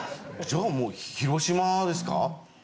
じゃあもう広島ですか？